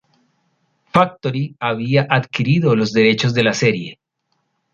Factory había adquirido los derechos de la serie.